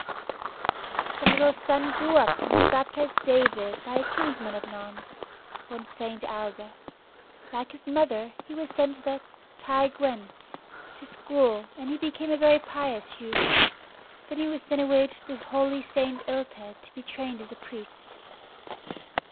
The little son grew up and was baptised David by a kinsman of Non's, one St. Ailbe. Like his mother, he was sent to the "Ty Gwyn" to school and he became a very pious youth. Then he was sent away to the holy St. Illtyd to be trained as a priest.